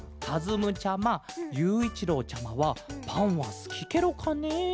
むちゃまゆういちろうちゃまはパンはすきケロかね？